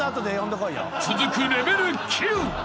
［続くレベル９］